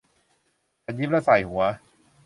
ฉันยิ้มและส่ายหัว